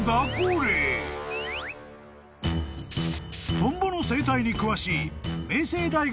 ［トンボの生態に詳しい］